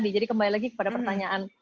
jadi kembali lagi kepada pertanyaan